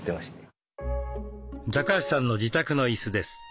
高橋さんの自宅の椅子です。